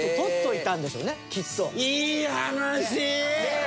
いい！